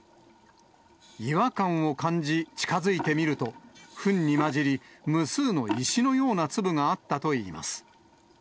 違和感を感じ、近づいてみると、ふんに混じり、無数の石のような粒があったといいます。